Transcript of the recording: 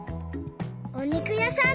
おにくやさん